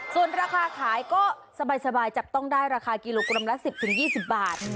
ส่วนราคาขายก็สบายจับต้องได้ราคากิโลกรัมละ๑๐๒๐บาท